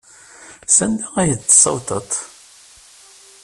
Sanda ay tent-tessawḍeḍ?